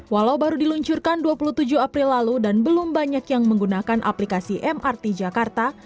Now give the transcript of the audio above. walau baru diluncurkan dua puluh tujuh april lalu dan belum banyak yang menggunakan aplikasi mrt jakarta